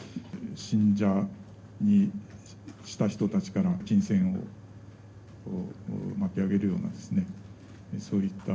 信者にした人たちから金銭を巻き上げるようなですね、そういった